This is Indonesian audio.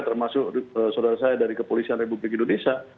termasuk saudara saya dari kepolisian republik indonesia